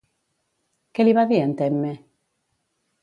Què li va dir en Temme?